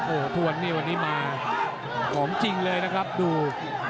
โอ้เทวนนี่วันนี้มาของจริงเลยดู